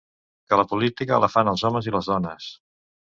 Que la política la fan els homes i les dones.